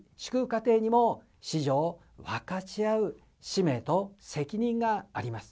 家庭にも、子女を分かち合う使命と責任があります。